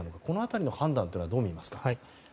この辺りの判断はどう見ますか？